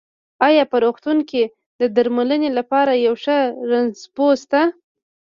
ايا په روغتون کې د درمنلې لپاره يو ښۀ رنځپوۀ شته؟